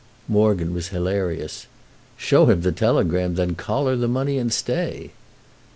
Morgan was hilarious. "Show him the telegram—then collar the money and stay!"